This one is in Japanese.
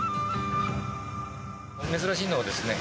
珍しいのはですね